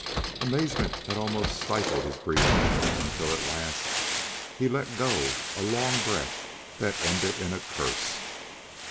Amazement had almost stifled his breathing, until at last he let go a long breath that ended in a curse.